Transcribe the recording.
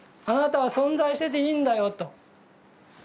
「あなたは存在してていいんだよ」と。